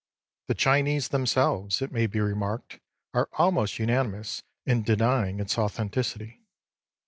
The Chinese themselves, it may be remarked, are almost unanimous in denying its authenticity.